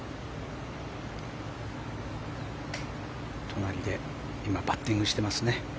隣で今、パッティングしてますね。